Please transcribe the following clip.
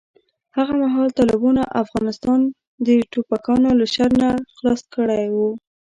هغه مهال طالبانو افغانستان د ټوپکیانو له شر نه خلاص کړی و.